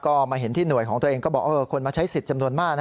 ก็มาเห็นที่หน่วยของตัวเองก็บอกคนมาใช้สิทธิ์จำนวนมากนะ